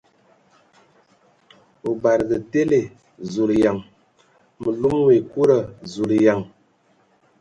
O badǝgǝ tele ! Zulǝyan ! Mǝ lum wa ekuda ! Zuleyan !